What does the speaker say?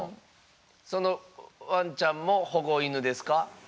そのわんちゃんも保護犬ですか？